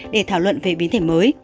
để thảo luận về biến thể mới